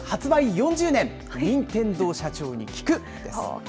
４０年任天堂社長に聞くです。